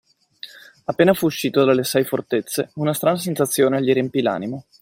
Appena fu uscito dalle Sei Fortezze, una strana sensazione gli riempì l’animo.